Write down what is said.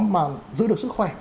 mà giữ được sức khỏe